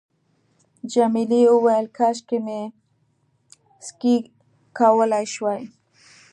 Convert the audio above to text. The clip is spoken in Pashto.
جميلې وويل:، کاشکې مې سکی کولای شوای.